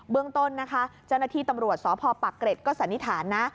เรื่องต้นนะคะเจ้าหน้าที่ตำรวจสพปักเกร็ดก็สันนิษฐานนะ